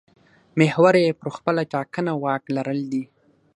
محور یې پر خپله ټاکنه واک لرل دي.